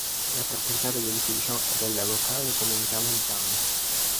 La proprietà dell'edificio è della locale comunità montana.